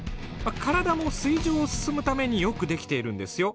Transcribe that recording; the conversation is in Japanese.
体も水上を進むためによく出来ているんですよ。